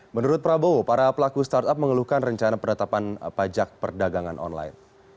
menurut prabowo para pelaku startup mengeluhkan rencana penetapan pajak perdagangan online